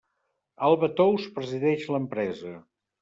Alba Tous presideix l'empresa.